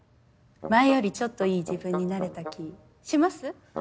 前よりちょっといい自分になれた気します？